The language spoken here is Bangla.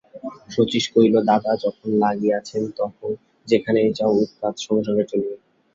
শচীশ কহিল, দাদা যখন লাগিয়াছেন তখন যেখানে যাও উৎপাত সঙ্গে সঙ্গে চলিবে।